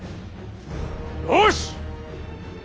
よし！